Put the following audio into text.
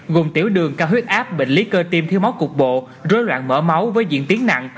gồm tiểu đường cao huyết áp bệnh lý cơ tim thiếu máu cục bộ rối loạn mở máu với diễn tiến nặng